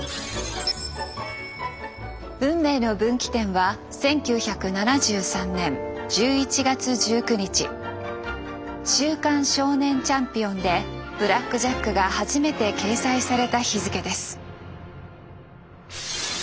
運命の分岐点は「週刊少年チャンピオン」で「ブラック・ジャック」が初めて掲載された日付です。